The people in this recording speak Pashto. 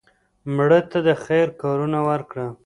مړه ته د خیر کارونه وکړه